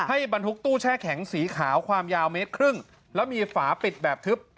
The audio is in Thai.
บรรทุกตู้แช่แข็งสีขาวความยาวเมตรครึ่งแล้วมีฝาปิดแบบทึบ